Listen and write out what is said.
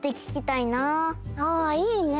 あいいね。